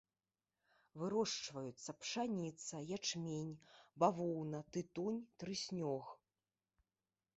Вырошчваюцца пшаніца, ячмень, бавоўна, тытунь, трыснёг.